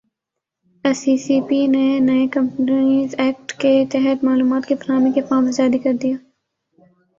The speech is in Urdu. ایس ای سی پی نے نئے کمپنیز ایکٹ کے تحت معلومات کی فراہمی کے فارمز جاری کردیئے